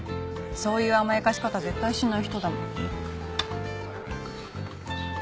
そういう甘やかし方絶対しない人だもん。